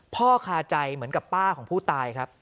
คาใจเหมือนกับป้าของผู้ตายครับ